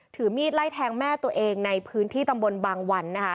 ถือมีดไล่แทงแม่ตัวเองในพื้นที่ตำบลบางวันนะคะ